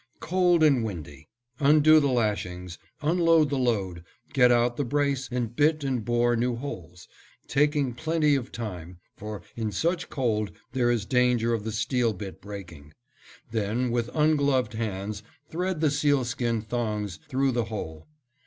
Cold and windy. Undo the lashings, unload the load, get out the brace and bit and bore new holes, taking plenty of time, for, in such cold, there is danger of the steel bit breaking. Then, with ungloved hands, thread the sealskin thongs through the hole.